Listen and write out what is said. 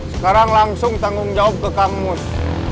sekarang langsung tanggung jawab ke kang mus